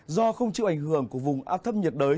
do không chịu ảnh hưởng của vùng áp thấp nhiệt đới